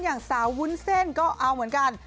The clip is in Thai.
อย่างสาววุ้นเส้นก็เอาเหมือนกัน